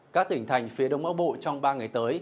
các tỉnh thành phía đông bắc bộ trong ba ngày tới